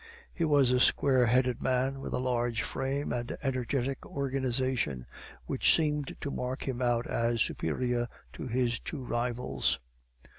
He was a square headed man, with a large frame and energetic organization, which seemed to mark him out as superior to his two rivals.